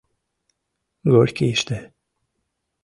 Горькийыште